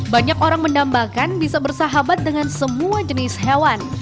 banyak orang mendambakan bisa bersahabat dengan semua jenis hewan